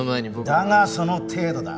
だがその程度だ。